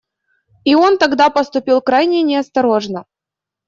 И он тогда поступил крайне неосторожно.